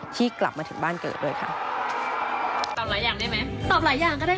ที่กลับมาถึงบ้านเกิดด้วยค่ะตอบหลายอย่างได้ไหมตอบหลายอย่างก็ได้